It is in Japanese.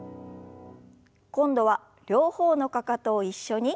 今度は両方のかかとを一緒に。